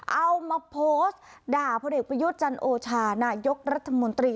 เอามาโพสต์ด่าพลเอกประยุทธ์จันโอชานายกรัฐมนตรี